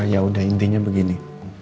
ya udah intinya begini